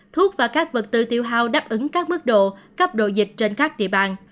thuốc và các vật tư tiêu hao đáp ứng các mức độ cấp độ dịch trên các địa bàn